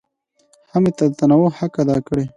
هم یې د تنوع حق ادا کړی.